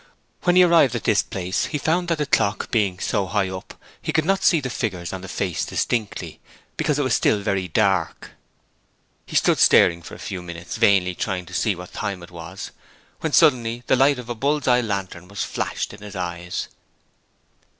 When he arrived at this place he found that the clock being so high up he could not see the figures on the face distinctly, because it was still very dark. He stood staring for a few minutes vainly trying to see what time it was when suddenly the light of a bull's eye lantern was flashed into his eyes.